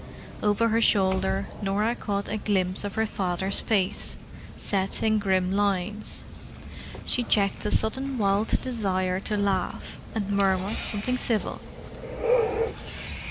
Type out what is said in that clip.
Over her shoulder Norah caught a glimpse of her father's face, set in grim lines. She checked a sudden wild desire to laugh, and murmured something civil.